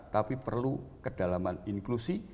tapi perlu kedalaman inklusi